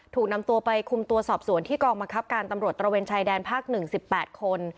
ถูกนำตัวไปคุมตัวสอบสวนที่กองบังคับการตำรวจตระเวนชายแดนภาค๑๘คน